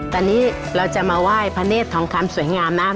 ตอนนี้เราจะมาไหว้พระเนธทองคำสวยงามนะ